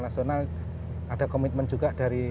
nasional ada komitmen juga dari